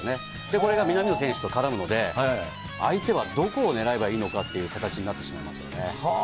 これが南野選手と絡むので、相手はどこを狙えばいいのかっていう形になってしまいますよね。